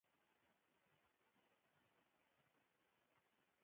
احترام او درنښت هغه متاع ده چی په ورکولو سره درکول کیږي